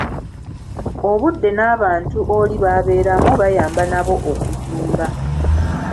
Obudde n'abantu oli b'abeeramu bayamba nabo okuzuula.